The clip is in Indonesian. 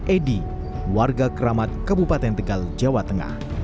edi warga keramat kabupaten tegal jawa tengah